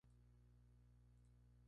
Miembro del club de manga.